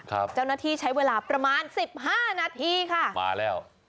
เจ้าหน้าที่ใช้เวลาประมาณสิบห้านาทีค่ะมาแล้ว